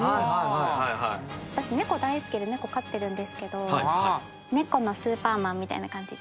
私猫大好きで猫飼ってるんですけど猫のスーパーマンみたいな感じで。